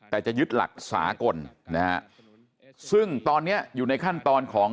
แต่จะยึดหลักสากลนะฮะซึ่งตอนนี้อยู่ในขั้นตอนของ